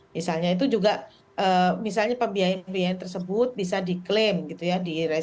misalnya itu juga misalnya pembiayaan pembiayaan tersebut bisa diklaim gitu ya